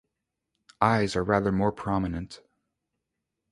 Eyes are rather more prominent.